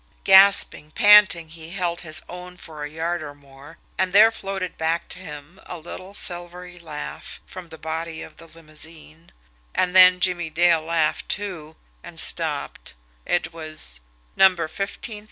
Gasping, panting, he held his own for a yard or more, and there floated back to him a little silvery laugh from the body of the limousine, and then Jimmie Dale laughed, too, and stopped it was No.